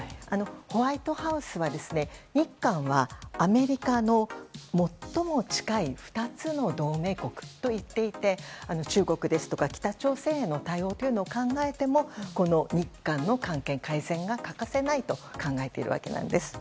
ホワイトハウスは日韓はアメリカの最も近い２つの同盟国と言っていて中国ですとか北朝鮮への対応というのを考えてもこの日韓の関係改善が欠かせないと考えているんです。